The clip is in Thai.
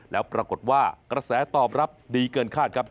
แล้วปรากฏว่ากระแสตอบรับดีเกินคาดครับ